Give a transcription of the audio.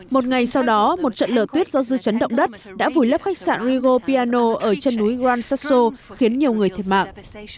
một ngày sau đó một trận lở tuyết do dư chấn động đất đã vùi lấp khách sạn rigo piano ở chân núi gran sasso khiến nhiều người thiệt mạng